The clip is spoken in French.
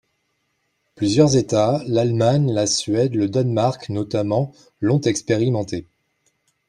Plusieurs États, l’Allemagne, la Suède, le Danemark notamment, l’ont expérimenté.